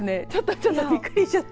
ちょっとびっくりしちゃった。